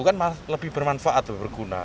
kan lebih bermanfaat dan berguna